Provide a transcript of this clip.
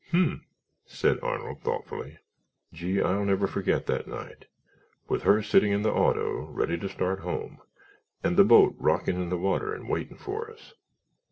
"Hmph," said Arnold, thoughtfully. "Gee, I'll never forget that night, with her sitting in the auto ready to start home and the boat rocking in the water and waiting for us.